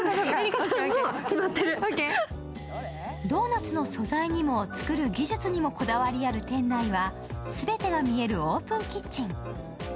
ドーナツの素材にも、作る技術にもこだわりある店内は、全てが見えるオープンキッチン。